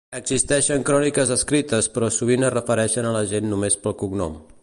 Existeixen cròniques escrites però sovint es refereixen a la gent només pel cognom.